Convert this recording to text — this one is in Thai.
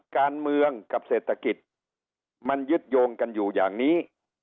การเมืองกับเศรษฐกิจมันยึดโยงกันอยู่อย่างนี้